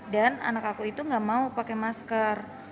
dan anak aku itu gak mau pakai masker